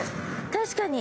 確かに。